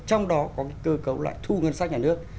trong đó có cơ cấu lại thu ngân sách nhà nước